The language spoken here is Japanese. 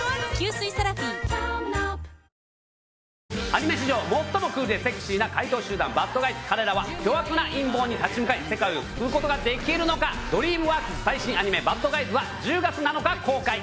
アニメ史上最もクールでセクシーな怪盗集団バッドガイズ彼らは巨悪な陰謀に立ち向かい世界を救うことができるのかドリームワークス最新アニメ「バッドガイズ」は１０月７日公開